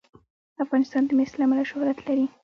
افغانستان د مس له امله شهرت لري.